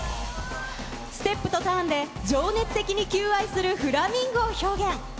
ステップとターンで、情熱的に求愛するフラミンゴを表現。